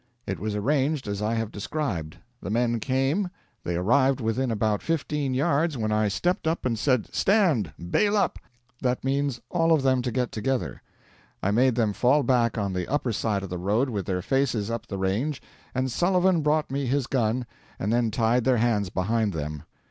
It was arranged as I have described. The men came; they arrived within about fifteen yards when I stepped up and said, 'Stand! bail up!' That means all of them to get together. I made them fall back on the upper side of the road with their faces up the range, and Sullivan brought me his gun, and then tied their hands behind them.